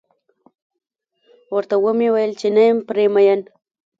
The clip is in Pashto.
ورته و مې ويل چې نه یم پرې مين.